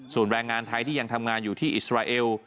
ส่วนแรงงานไทยที่ยังทำงานอยู่ที่อิสราเอล